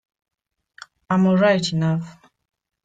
I'm all right enough.